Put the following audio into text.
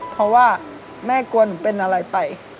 เพราะว่าแม่กลัวหนูเป็นอะไรไป